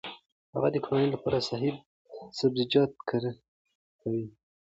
هغه د کورنۍ لپاره د صحي سبزیجاتو کرنه کوي.